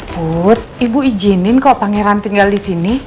put ibu izinin kok pangeran tinggal di sini